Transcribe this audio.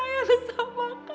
ini kapan aja